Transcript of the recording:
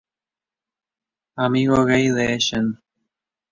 Amigo gay de Ellen.